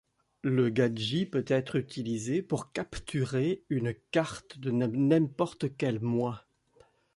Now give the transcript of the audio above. Le Gaji peut être utilisé pour capturer une carte de n'importe quel mois.